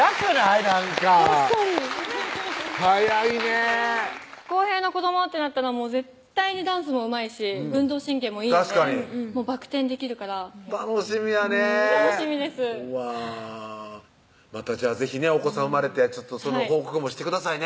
なんか確かに早いね晃平の子どもってなったら絶対にダンスもうまいし運動神経もいいんでバク転できるから楽しみやね楽しみですまたじゃあ是非ねお子さん生まれてその報告もしてくださいね